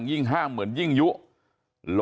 สวัสดีครับคุณผู้ชาย